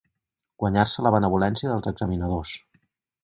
Guanyar-se la benevolència dels examinadors.